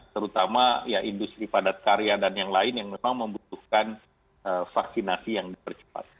terutama industri padat karya dan yang lain yang memang membutuhkan vaksinasi yang dipercepat